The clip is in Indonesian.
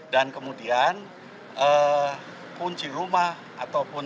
dan kemudian kunci rumah ataupun